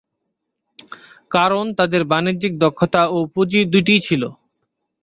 কারণ তাদের বাণিজ্যিক দক্ষতা ও পুঁজি দুইই ছিল।